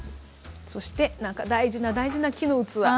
そして大事な大事な木の器。